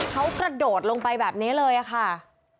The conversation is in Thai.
เขากระโดดลงไปแบบนี้เลยค่ะ